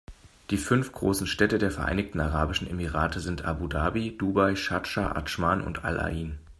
Die fünf großen Städte der Vereinigten Arabischen Emirate sind Abu Dhabi, Dubai, Schardscha, Adschman und Al-Ain.